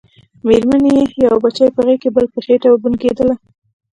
مېرمن يې يو بچی په غېږ کې بل په خېټه وبنګېدله.